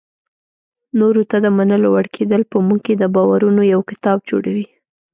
نورو ته د منلو وړ کېدل په موږ کې د باورونو یو کتاب جوړوي.